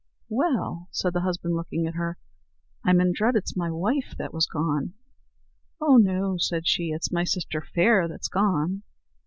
"Well," said the husband, looking at her, "I'm in dread it's my wife that was gone." "Oh! no," said she; "it's my sister Fair that's gone."